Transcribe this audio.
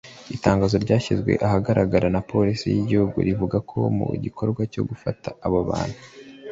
Itangazo ryashyizwe ahagaragara na Polisi y’Igihugu rivuga ko mu gikorwa cyo gufata abo bantu